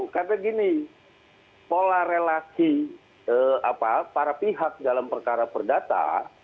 karena gini pola relasi para pihak dalam perkara perdata